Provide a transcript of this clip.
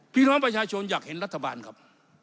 พี่น้องประชาชนอยากเห็นรัฐบาลครับ